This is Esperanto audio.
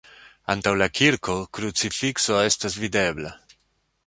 Antaŭ la kirko krucifikso estas videbla.